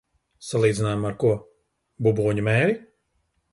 Salīdzinājumā ar ko? Buboņu mēri?